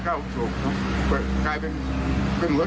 กลายเป็นเลุ่งเหลือเสียงเก่า